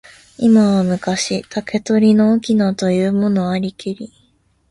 今は昔、竹取の翁というものありけり。